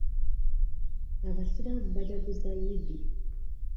Abasiraamu bajjaguza yidi